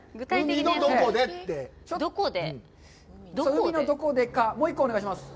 海のどこでか、もう１個お願いします。